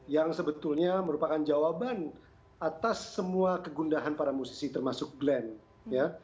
yang sebetulnya merupakan jawaban atas semua kegundahan para musisi termasuk glenn ya